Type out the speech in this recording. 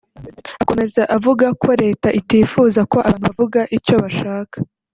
Akomeza avuga ko Leta itifuza ko abantu bavuga icyo bashaka